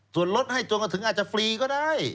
ส่วนลดให้จนมาถึงอาจจะฟรีก็ได้